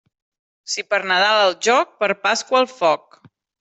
Si per Nadal al joc, per Pasqua al foc.